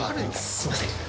すみません